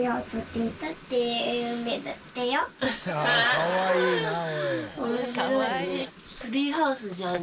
「かわいいなおい」